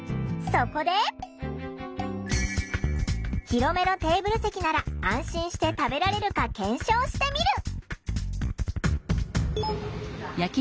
広めのテーブル席なら安心して食べられるか検証してみる。